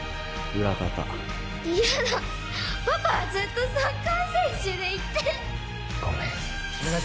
裏方嫌だパパはずっとサッカー選手でいて！